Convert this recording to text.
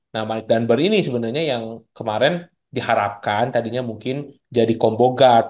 nah malik danbar ini sebenarnya yang kemarin diharapkan tadinya mungkin jadi combo guard